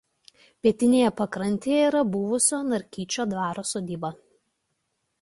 Pietinėje pakrantėje yra buvusio Narkyčių dvaro sodyba.